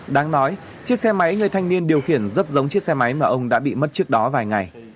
đáng nói chiếc xe máy người thanh niên điều khiển rất giống chiếc xe máy mà ông đã bị mất trước đó vài ngày